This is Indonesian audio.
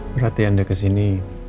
berarti anda kesini